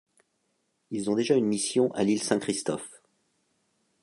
Ils ont déjà une Mission à l'île Saint-Christophe.